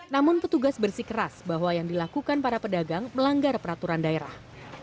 namun petugas bersikeras bahwa yang dilakukan para pedagang melanggar peraturan daerah